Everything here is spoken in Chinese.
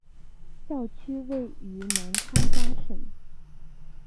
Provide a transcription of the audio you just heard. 教区位于南宽扎省。